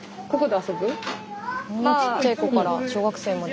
スタジオちっちゃい子から小学生まで。